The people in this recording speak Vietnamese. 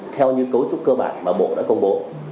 theo như cấu trúc cơ bản mà bộ đã công bố